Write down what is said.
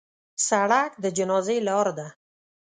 سړک د جنازې لار ده.